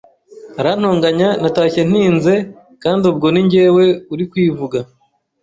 arantonganya natashye ntinze kandi ubwo ni njyewe uri kwivuga